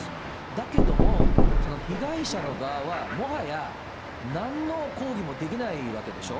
だけども、その被害者の側は、もはや、なんの抗議もできないわけでしょ。